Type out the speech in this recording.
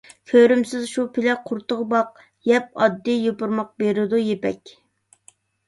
كۆرۈمسىز شۇ پىلە قۇرۇتىغا باق، يەپ ئاددىي يوپۇرماق بېرىدۇ يىپەك.